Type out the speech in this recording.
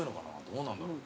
どうなんだろう。